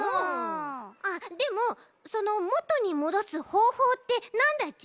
あっでもそのもとにもどすほうほうってなんだち？